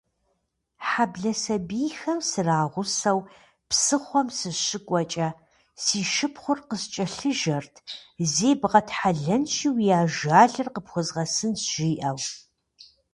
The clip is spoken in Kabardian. Хьэблэ сабийхэм срагъусэу псыхъуэм сыщыкӏуэкӏэ, си шыпхъур къыскӏэлъыжэрт: «Зебгъэтхьэлэнщи, уи ажалыр къыпхуэзгъэсынщ», - жиӏэу.